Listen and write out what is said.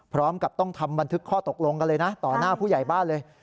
พร้อมกับต้องทำบันทึกข้อตกลงกันเลยนะต่อหน้าผู้ใหญ่บ้านเลย